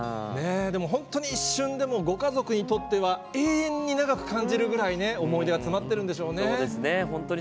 本当に一瞬でもご家族にとっては永遠に長く感じるぐらい思い出が詰まっているんでしょうね。